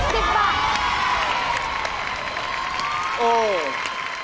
๑๐บาท